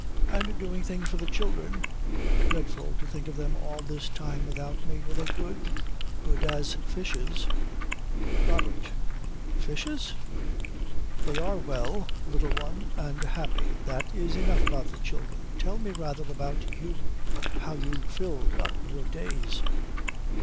"And doing things for the children. Dreadful to think of them all this time without me. Were they good?" "Good as fishes." "Robert fishes?" "They are well, Little One, and happy. That is enough about the children. Tell me rather about you, how you filled up your days."